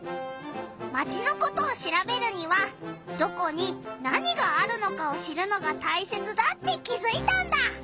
マチのことをしらべるにはどこに何があるのかを知るのがたいせつだって気づいたんだ！